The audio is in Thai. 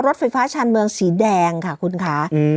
รถไฟฟ้าชาญเมืองสีแดงค่ะคุณคะ